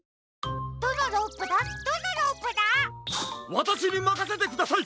わたしにまかせてください！